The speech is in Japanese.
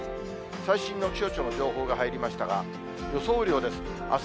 最新の気象庁の情報が入りましたが、予想雨量です。